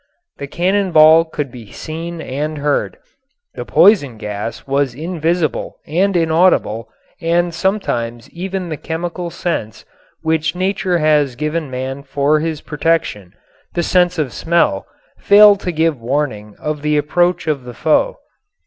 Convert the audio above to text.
The cannon ball could be seen and heard. The poison gas was invisible and inaudible, and sometimes even the chemical sense which nature has given man for his protection, the sense of smell, failed to give warning of the approach of the foe.